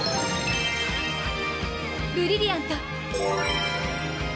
ブリリアント！